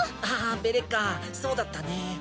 あぁベレッカそうだったね。